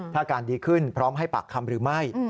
ถ้าอาการดีขึ้นพร้อมให้ปากคำหรือไม่